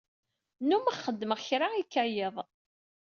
Nnumeɣ xeddmeɣ kra ikka yiḍ.